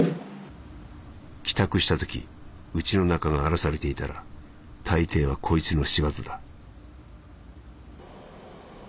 「帰宅したときうちの中が荒らされていたら大抵はこいつの仕業だ」。